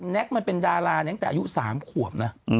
แก๊กมันเป็นดาราตั้งแต่อายุ๓ขวบนะ